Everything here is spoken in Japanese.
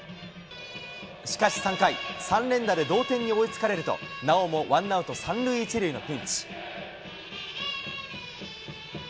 しかし３回、３連打で同点に追いつかれると、なおもワンアウト３塁１塁のピンチ。